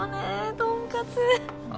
とんかつあ